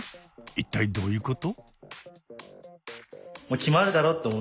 一体どういうこと？